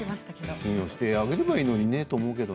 信用してあげればいいのにと思うけど。